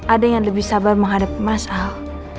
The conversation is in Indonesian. ada yang lebih sabar menghadapi mas al